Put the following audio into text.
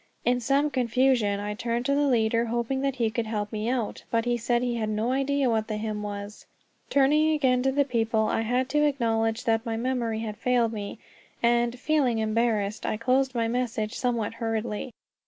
In some confusion I turned to the leader, hoping that he could help me out; but he said he had no idea what the hymn was. Turning again to the people, I had to acknowledge that my memory had failed me, and, feeling embarrassed, I closed my message somewhat hurriedly.